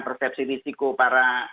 persepsi risiko para